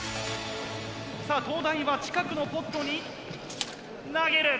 さぁ東大は近くのポットに投げる。